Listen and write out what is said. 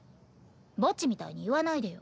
ぼっちみたいに言わないでよ。